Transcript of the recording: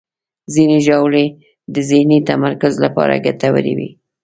ځینې ژاولې د ذهني تمرکز لپاره ګټورې وي.